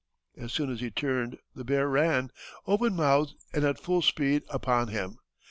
As soon as he turned the bear ran, open mouthed and at full speed, upon him.